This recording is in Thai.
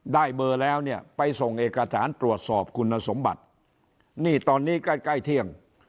ได้เบอร์แล้วเนี่ยไปส่งเอกสารตรวจสอบคุณสมบัตินี่ตอนนี้ใกล้ใกล้เที่ยง